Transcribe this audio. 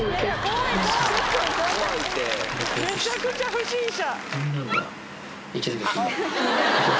めちゃくちゃ不審者。